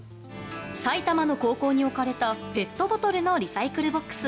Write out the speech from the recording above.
埼玉の高校に置かれたペットボトルのリサイクルボックス。